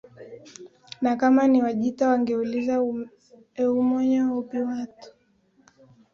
Na kama ni Wajita wangeuliza oumenya obhwato